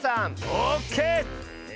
オッケー！